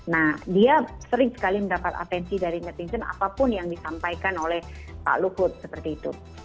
nah dia sering sekali mendapat atensi dari netizen apapun yang disampaikan oleh pak luhut seperti itu